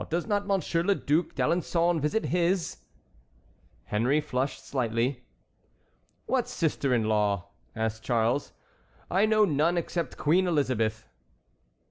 Does not Monsieur le Duc d'Alençon visit his?" Henry flushed slightly. "What sister in law?" asked Charles. "I know none except Queen Elizabeth."